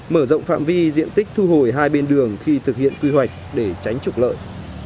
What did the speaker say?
mở rộng phạm vi diện tích thu hồi hai bên đường khi thực hiện quy hoạch để tránh trục lợi